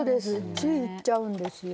ついいっちゃうんですよ。